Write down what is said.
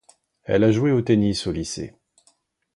Elle a joué au tennis au lycée.